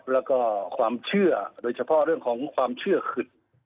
แล้วก็ความเชื่อโดยเฉพาะเรื่องของความเชื่อขึด